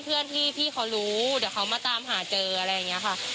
พอซื้อรถได้พักหนึ่งก็มาพบกับพี่เขาใช่ไหมค่ะ